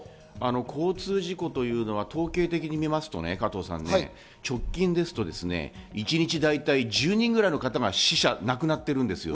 交通事故というのは統計的に見ますと、直近ですと一日だいたい１０人ぐらいの方が死者、亡くなっているんです。